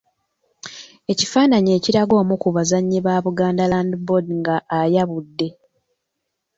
Ekifaananyi ekiraga omu ku bazannyi ba Buganda Land Board nga ayabudde.